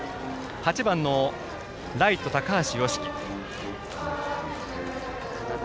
８番のライト、高橋祐稀。